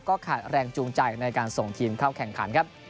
ก็ขาดแรงจูงใจในการส่งทีมเข้าแข่งขันครับ